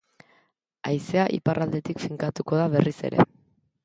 Haizea iparraldetik finkatuko da berriz ere.